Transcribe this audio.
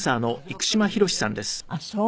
あっそう。